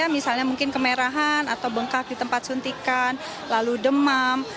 misalnya mungkin kemerahan atau bengkak di tempat suntikan lalu demam